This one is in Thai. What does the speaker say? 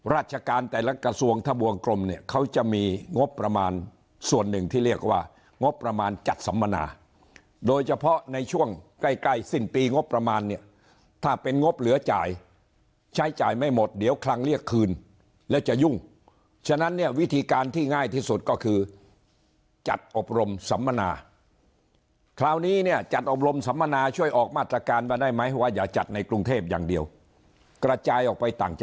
ราชการแต่ละกระทรวงทบวงกรมเนี่ยเขาจะมีงบประมาณส่วนหนึ่งที่เรียกว่างบประมาณจัดสำมนาโดยเฉพาะในช่วงใกล้สิ้นปีงบประมาณเนี่ยถ้าเป็นงบเหลือจ่ายใช้จ่ายไม่หมดเดี๋ยวคลังเรียกคืนแล้วจะยุ่งฉะนั้นเนี่ยวิธีการที่ง่ายที่สุดก็คือจัดอบรมสำมนาคราวนี้เนี่ยจัดอบรมสำมนาช่วยออก